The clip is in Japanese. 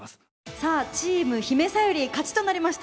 さあチームひめさゆり勝ちとなりました。